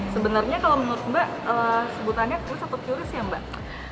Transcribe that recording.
sebenernya kalau menurut mbak sebutannya kris atau kuris ya mbak